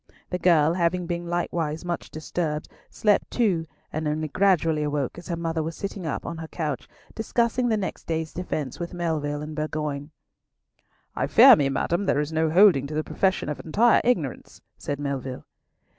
The girl, having been likewise much disturbed, slept too, and only gradually awoke as her mother was sitting up on her couch discussing the next day's defence with Melville and Bourgoin. "I fear me, madam, there is no holding to the profession of entire ignorance," said Melville.